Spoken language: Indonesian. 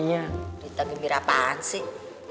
cerita gembira apaan sih